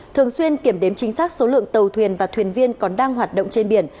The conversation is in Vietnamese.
thường xuyên kiểm đếm chính xác số lượng tàu thuyền và thuyền viên còn đang hoạt động trên biển